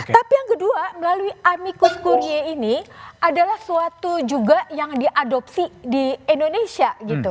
tapi yang kedua melalui amicus kurnia ini adalah suatu juga yang diadopsi di indonesia gitu